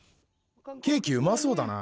ケーキうまそうだな。